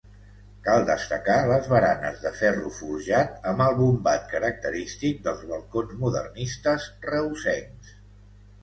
Cal destacar les baranes de ferro forjat amb el bombat característic dels balcons modernistes reusencs.